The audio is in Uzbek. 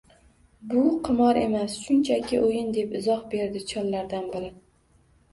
Bu qimor emas, shunchaki o‘yin, deb izoh berdi chollardan biri